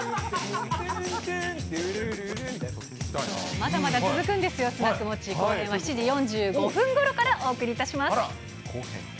まだまだ続くんですよ、スナックモッチー後編は７時４５分ごろから、お送りいたします。